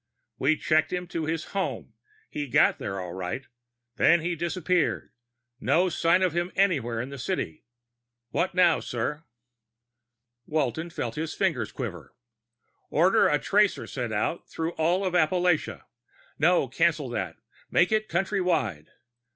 "We checked him to his home. He got there, all right. Then he disappeared. No sign of him anywhere in the city. What now, sir?" Walton felt his fingers quivering. "Order a tracer sent out through all of Appalachia. No, cancel that make it country wide.